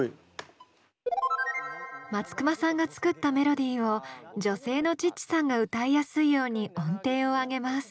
松隈さんが作ったメロディーを女性のチッチさんが歌いやすいように音程を上げます。